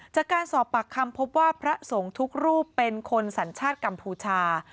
จากการสอบปากคำพบว่าพระสงฆ์ทุกรูปเป็นคนสัญชาติกัมพูชา